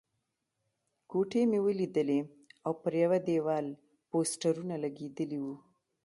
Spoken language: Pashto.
کوټې مې ولیدلې او پر یوه دېوال پوسټرونه لګېدلي وو.